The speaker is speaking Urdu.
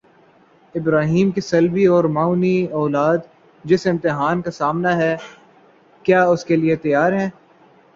ابراہیمؑ کی صلبی اور معنوی اولاد، جسے امتحان کا سامنا ہے، کیا اس کے لیے تیار ہے؟